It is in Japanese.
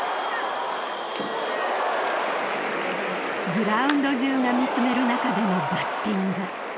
グラウンド中が見つめる中でのバッティング。